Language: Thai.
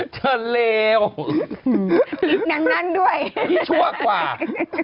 เชื่อนว่ายกับคนอื่น